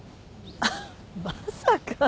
あっまさか。